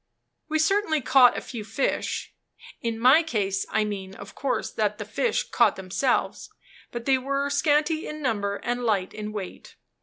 We certainly caught a few fish (in my case, I mean, of course, that the fish caught themselves); but they were scanty in number and light in weight.